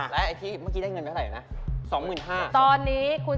แล้วไอ้ที่เมื่อกี้ได้เงินเท่าไหร่เนี่ยนะ